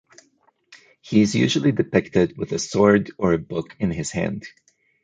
He is usually depicted with a sword or a book in his hand.